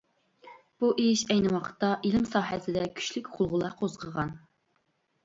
بۇ ئىش ئەينى ۋاقىتتا ئىلىم ساھەسىدە كۈچلۈك غۇلغۇلا قوزغىغان.